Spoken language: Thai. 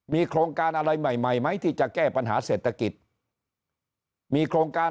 มีโครงการอะไรใหม่ใหม่ไหมที่จะแก้ปัญหาเศรษฐกิจมีโครงการ